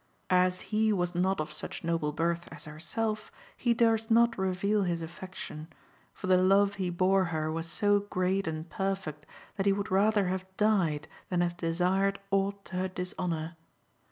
As he was not of such noble birth as herself, he durst not reveal his affection, for the love he bore her was so great and perfect that he would rather have died than have desired aught to her dishonour.